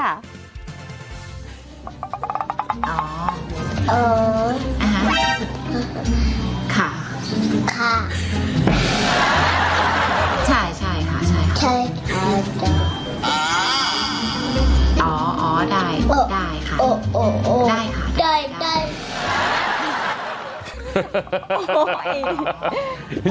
อ๋ออ๋อค่ะค่ะใช่ค่ะใช่ค่ะอ๋ออ๋อได้ได้ค่ะได้ค่ะ